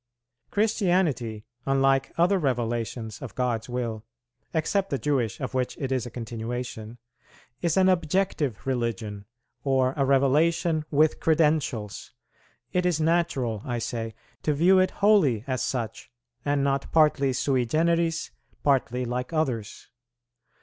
Christianity, unlike other revelations of God's will, except the Jewish, of which it is a continuation, is an objective religion, or a revelation with credentials; it is natural, I say, to view it wholly as such, and not partly sui generis, partly like others.